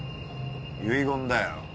遺言だよ。